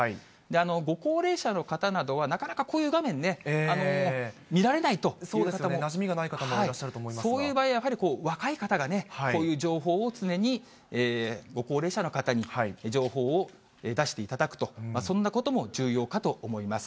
ご高齢者の方などは、なかなかこういう画面ね、見られないというなじみがない方もいらっしゃそういう場合、やはり若い方がね、こういう情報を常にご高齢者の方に、情報を出していただくと、そんなことも重要かと思います。